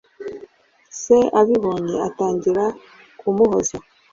se abibonye atangira kumuhoza